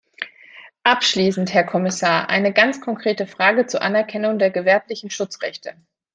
Abschließend, Herr Kommissar, eine ganz konkrete Frage zur Anerkennung der gewerblichen Schutzrechte.